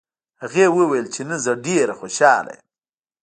هغې وویل چې نن زه ډېره خوشحاله یم